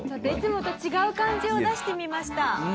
いつもと違う感じを出してみました。